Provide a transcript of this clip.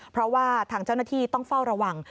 เพราะว่าทางเจ้าหน้าที่ต้องเฝ้าระวัง